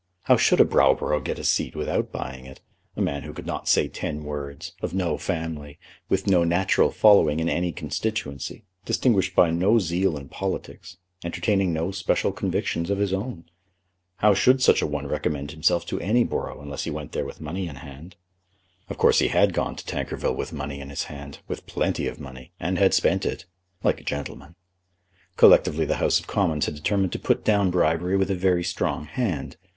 How should a Browborough get a seat without buying it, a man who could not say ten words, of no family, with no natural following in any constituency, distinguished by no zeal in politics, entertaining no special convictions of his own? How should such a one recommend himself to any borough unless he went there with money in his hand? Of course, he had gone to Tankerville with money in his hand, with plenty of money, and had spent it like a gentleman. Collectively the House of Commons had determined to put down bribery with a very strong hand.